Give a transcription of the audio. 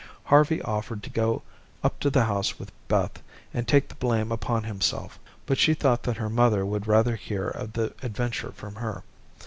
Harvey offered to go up to the house with Beth, and take the blame upon himself, but she thought that her mother would rather hear of the adventure from her.